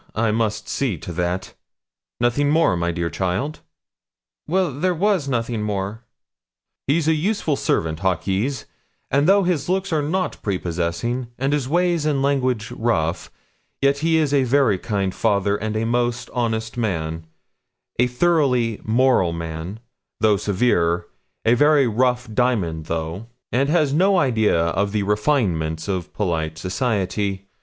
I must see to that. Nothing more, my dear child?' 'Well, there was nothing more.' 'He's a useful servant, Hawkes; and though his looks are not prepossessing, and his ways and language rough, yet he is a very kind father, and a most honest man a thoroughly moral man, though severe a very rough diamond though, and has no idea of the refinements of polite society.